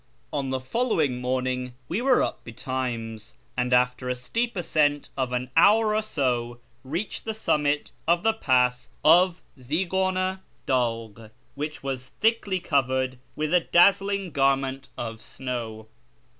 On the following morning we were up betimes, and after a steep ascent of an hour or so reached the summit of the pass of Zighana dagh, which was thinly covered with a dazzling garment of snow.